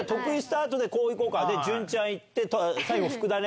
潤ちゃん行って最後福田ね。